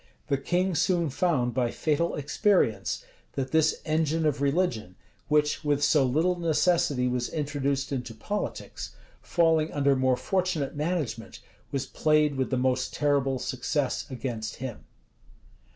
The king soon found by fatal experience, that this engine of religion, which with so little necessity was introduced into politics, falling under more fortunate management, was played with the most terrible success against him.